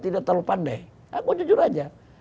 tidak terlalu pandai aku jujur aja